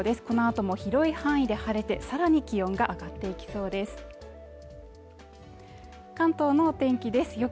このあとも広い範囲で晴れてさらに気温が上がっていきそうです関東の天気です